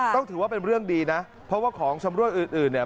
ต้องถือว่าเป็นเรื่องดีนะเพราะว่าของชำรวยอื่นเนี่ย